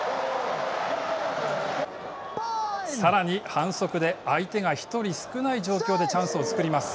さらに、反則で相手が１人少ない状況でチャンスを作ります。